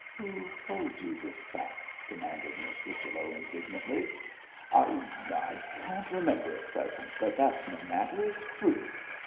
'Who told you this fact?' demanded Miss Whichello, indignantly. 'I I can't remember at present, but that's no matter it's true.'